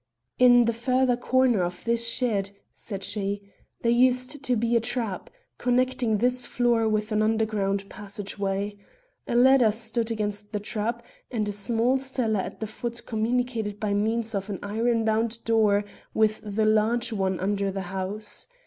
"In the further corner of this shed," said she, "there used to be a trap, connecting this floor with an underground passageway. A ladder stood against the trap, and the small cellar at the foot communicated by means of an iron bound door with the large one under the house.